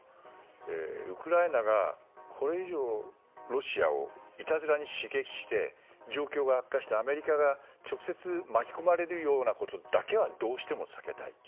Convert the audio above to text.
ウクライナがこれ以上ロシアをいたずらに刺激して状況が悪化してアメリカが直接巻き込まれるようなことだけはどうしても避けたい。